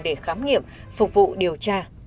để khám nghiệm phục vụ điều tra